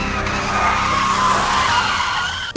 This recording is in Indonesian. kalau gak awal